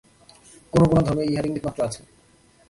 কোন কোন ধর্মে ইহার ইঙ্গিত-মাত্র আছে।